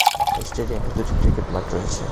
এ স্টেডিয়ামে দু'টি ক্রিকেট মাঠ রয়েছে।